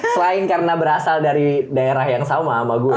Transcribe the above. selain karena berasal dari daerah yang sama gus